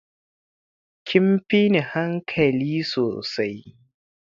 Kin fini hankali sosai.